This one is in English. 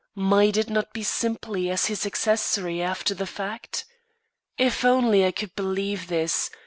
Might it not be simply as his accessory after the fact? If only I could believe this!